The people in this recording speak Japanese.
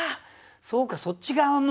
そうかそっち側の。